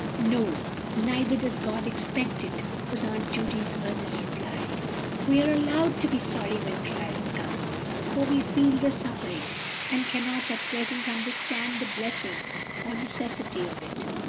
"No! neither does God expect it!" was Aunt Judy's earnest reply. "We are allowed to be sorry when trials come, for we feel the suffering, and cannot at present understand the blessing or necessity of it.